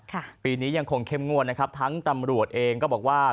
ปีนี้ยังคงเข้มงวดนะครับทั้งตำรวจเองก็บอกว่า